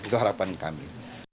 itu harapan kami